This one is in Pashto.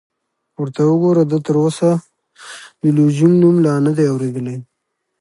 ورته وګوره، ده تراوسه د لوژینګ نوم لا نه دی اورېدلی!